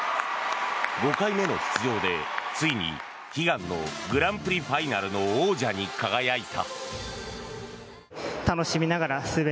５回目の出場で、ついに悲願のグランプリファイナルの王者に輝いた。